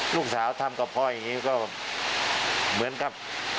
ทำกับพ่ออย่างนี้ก็เหมือนกับ